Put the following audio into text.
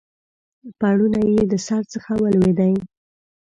پوړنی یې د سر څخه ولوېدی